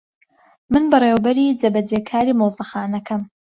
من بەڕێوەبەری جێبەجێکاری مۆزەخانەکەم.